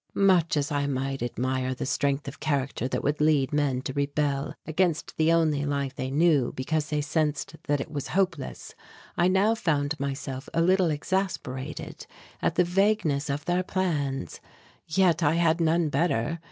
Much as I might admire the strength of character that would lead men to rebel against the only life they knew because they sensed that it was hopeless, I now found myself a little exasperated at the vagueness of their plans. Yet I had none better.